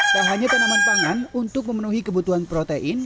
tak hanya tanaman pangan untuk memenuhi kebutuhan protein